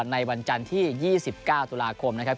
ในวันจันทร์ที่๒๙ตุลาคมนะครับ